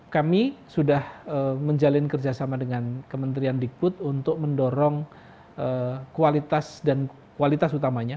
kami sudah menjalin kerjasama dengan kementerian digput untuk mendorong kualitas dan kualitas utamanya